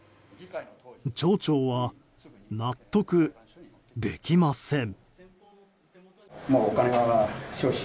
町長は納得できません。